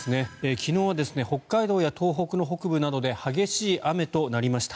昨日は北海道や東北の北部などで激しい雨となりました。